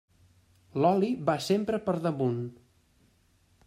L'oli va sempre per damunt.